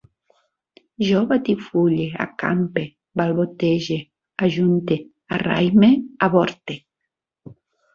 Jo batifulle, acampe, balbotege, ajunte, arraïme, avorte